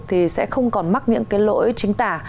thì sẽ không còn mắc những cái lỗi chính tả